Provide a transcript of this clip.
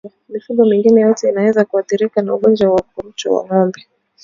Mifugo mingine yote inaweza kuathirika na ugonjwa wa ukurutu kwa ngombe